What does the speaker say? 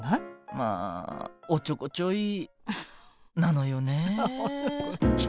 まあおっちょこちょいなのよね人って。